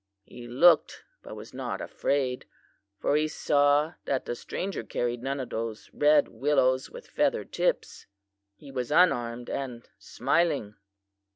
He looked, but was not afraid, for he saw that the stranger carried none of those red willows with feathered tips. He was unarmed and smiling.